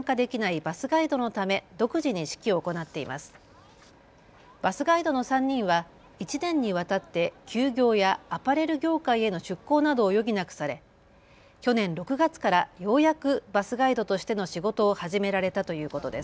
バスガイドの３人は１年にわたって休業やアパレル業界への出向などを余儀なくされ、去年６月からようやくバスガイドとしての仕事を始められたということです。